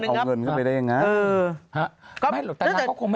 เอาเงินเข้าไปได้เอง